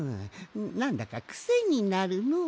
なんだかクセになるのう。